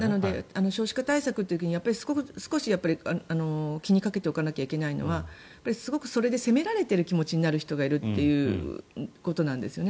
少子化対策の時に気にかけなきゃいけないのはすごくそれで責められている気持ちになる人がいるということなんですよね。